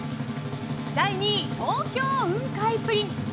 第２位、東京雲海プリン。